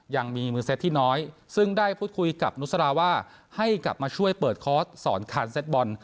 ยังมีมือเซตที่น้อยซึ่งได้พูดคุยกับนุษราว่าให้กลับมาช่วยเปิดคอร์สสอนคานเซ็ตบอล